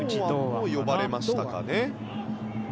堂安も呼ばれましたかね。